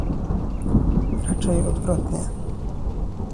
Raczej odwrotnie